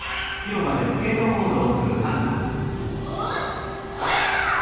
よしそりゃ！